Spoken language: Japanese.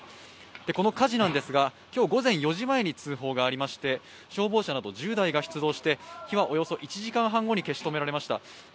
この火事なんですが今日午前４時前に通報がありまして消防車など１０台が出動して、火はおよそ１時間ほど前に消し止められました。